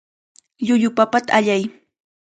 Llullu papata allay.